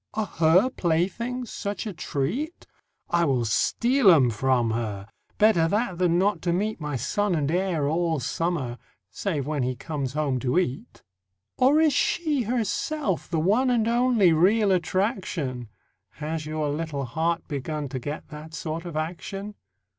Are her playthings such a treat? I will steal 'em from her; Better that than not to meet My son and heir all summer, Save when he comes home to eat. Or is she herself the one And only real attraction? Has your little heart begun To get that sort of action?